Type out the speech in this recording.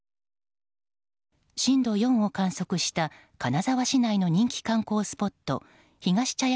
震度４を観測した金沢市内の人気観光スポットひがし茶屋